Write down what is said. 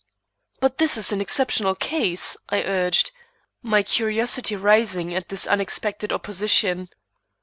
"But this is an exceptional case," I urged, my curiosity rising at this unexpected opposition.